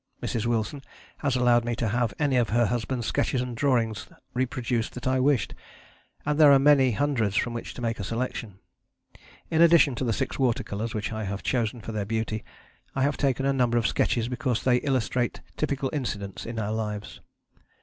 Mrs. Wilson has allowed me to have any of her husband's sketches and drawings reproduced that I wished, and there are many hundreds from which to make a selection. In addition to the six water colours, which I have chosen for their beauty, I have taken a number of sketches because they illustrate typical incidents in our lives.